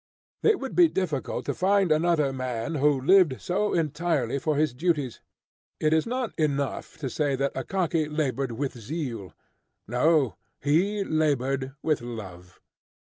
It would be difficult to find another man who lived so entirely for his duties. It is not enough to say that Akaky laboured with zeal; no, he laboured with love.